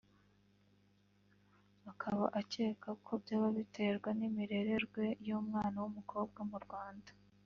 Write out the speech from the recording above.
akaba acyeka ko byaba biterwa n'imirererwe y'umwana w'umukobwa mu Rwanda